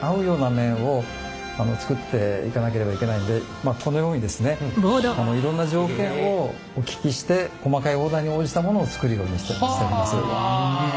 まあこのようにですねいろんな条件をお聞きして細かいオーダーに応じたものを作るようにしております。